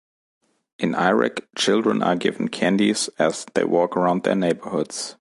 In Iraq, children are given candies as they walk around their neighborhoods.